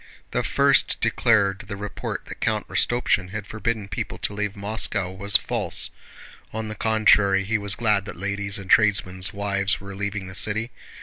The first declared that the report that Count Rostopchín had forbidden people to leave Moscow was false; on the contrary he was glad that ladies and tradesmen's wives were leaving the city.